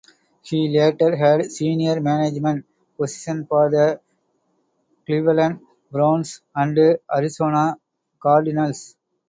He later had senior management positions for the Cleveland Browns and Arizona Cardinals.